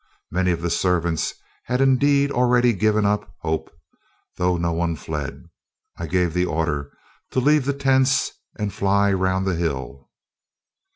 Many of the servants had indeed already given up hope, though no one fled. I gave the order to leave the tents and fly round the hill.